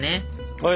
はい。